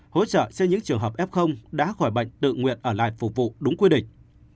hỗ trợ xây những trường hợp f đã khỏi bệnh tự nguyện ở lại phục vụ đúng quy định